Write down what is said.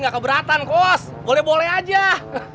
gak keberatan kos boleh boleh aja